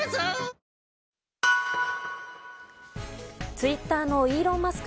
ツイッターのイーロン・マスク